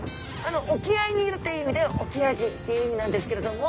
沖合にいるという意味でオキアジっていう意味なんですけれども。